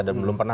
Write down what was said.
dan belum pernah